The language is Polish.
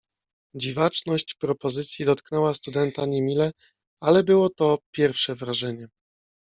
"Dziwaczność propozycji dotknęła studenta niemile, ale było to pierwsze wrażenie."